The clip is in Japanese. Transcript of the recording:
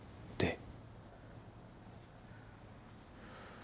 「で」